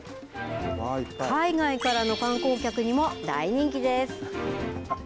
海外からの観光客にも大人気です。